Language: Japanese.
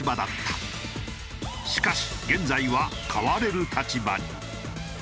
しかし現在は買われる立場に。